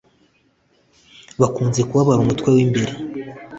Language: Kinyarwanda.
bakunze kubabara umutwe wimbere